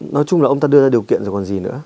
nói chung là ông ta đưa ra điều kiện rồi còn gì nữa